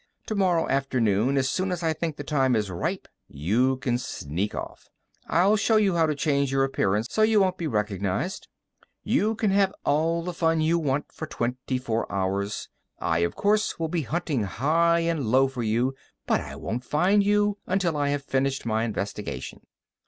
Tomorrow afternoon, as soon as I think the time is ripe, you can sneak off. I'll show you how to change your appearance so you won't be recognized. You can have all the fun you want for twenty four hours. I, of course, will be hunting high and low for you, but I won't find you until I have finished my investigation.